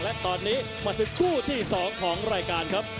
และตอนนี้มาถึงคู่ที่๒ของรายการครับ